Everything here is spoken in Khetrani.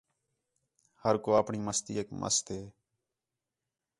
ہر کُو آپݨی مستی ایک مست ہے